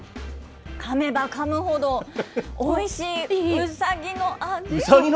かめばかむほどおいしいウサギの味？